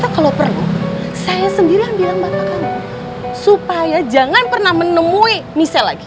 kalau perlu saya sendiri yang bilang bapak kan supaya jangan pernah menemui misalnya lagi